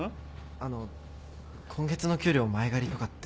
あの今月の給料前借りとかって。